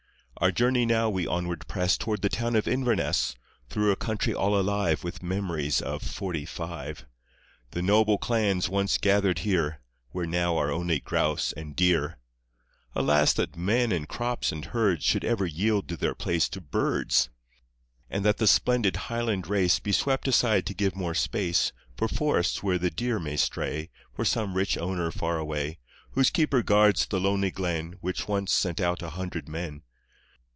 Our journey now we onward press Toward the town of Inverness, Through a country all alive With memories of "forty five." The noble clans once gathered here, Where now are only grouse and deer. Alas, that men and crops and herds Should ever yield their place to birds! And that the splendid Highland race Be swept aside to give more space For forests where the deer may stray For some rich owner far away, Whose keeper guards the lonely glen Which once sent out a hundred men!